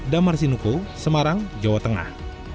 damar sinuko semarang jawa tengah